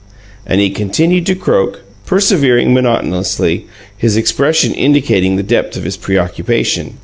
And he continued to croak, persevering monotonously, his expression indicating the depth of his preoccupation.